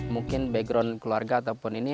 mungkin background keluarga ataupun ini